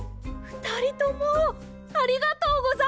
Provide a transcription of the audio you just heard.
ふたりともありがとうございます！